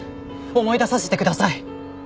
思い出させてください！